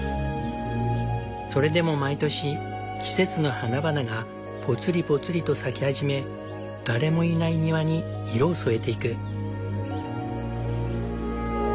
それでも毎年季節の花々がぽつりぽつりと咲き始め誰もいない庭に色を添えていく。